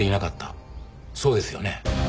そうですよね？